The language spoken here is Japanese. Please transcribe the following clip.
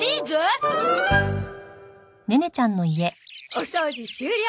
お掃除終了！